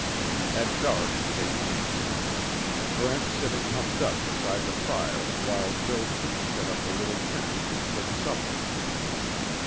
At dark they camped. Brent sitting humped up beside the fire while Joe Pete set up the little tent and cooked supper.